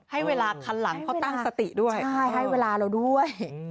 ให้เวลาคันหลังเขาตั้งสติด้วยให้เวลาเราด้วย